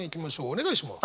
お願いします。